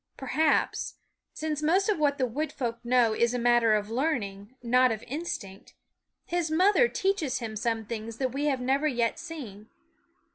Perhaps since most of what the wood folk know is a matter of learning, not of instinct his mother teaches him some things that we have never yet seen.